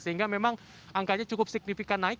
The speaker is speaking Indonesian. sehingga memang angkanya cukup signifikan naik